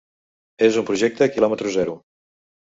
És un projecte quilòmetre zero.